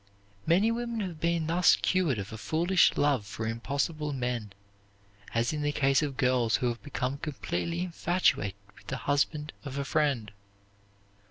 Many women have been thus cured of a foolish love for impossible men, as in the case of girls who have become completely infatuated with the husband of a friend.